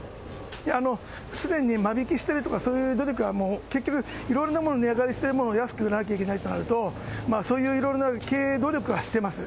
すでに間引きしてるとか、そういう努力はもう、結局いろいろなもの値上がりしてるもの安く売らないといけないとなると、そういういろいろな経営努力はしてます。